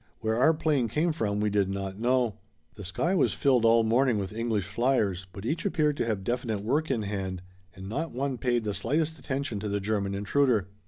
Where our 'plane came from we did not know. The sky was filled all morning with English fliers, but each appeared to have definite work in hand, and not one paid the slightest attention to the German intruder.